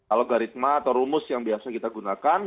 alogaritma atau rumus yang biasa kita gunakan